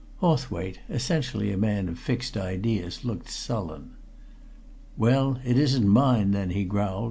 Hawthwaite, essentially a man of fixed ideas, looked sullen. "Well, it isn't mine, then," he growled.